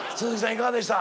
いかがでした？